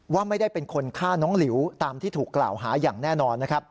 ว่าไม่ได้เป็นคนฆ่าน้องหลิวตามที่ถูกกล่าวหาอย่างแน่นอน